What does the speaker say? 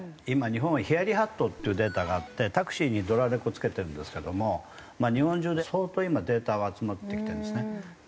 今日本はヒヤリ・ハットっていうデータがあってタクシーにドラレコ付けてるんですけども日本中で相当今データは集まってきてるんですね。